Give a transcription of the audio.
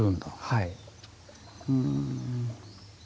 はい。